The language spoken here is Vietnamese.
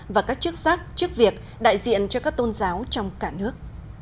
và các chức sắc chức việc đại diện cho các tôn giáo trong cả nước